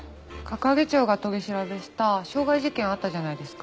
係長が取り調べした傷害事件あったじゃないですか。